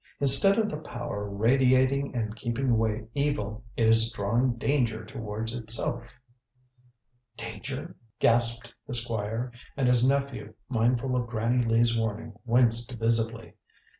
Instead of the power radiating and keeping away evil, it is drawing danger towards itself." "Danger?" gasped the Squire, and his nephew, mindful of Granny Lee's warning, winced visibly.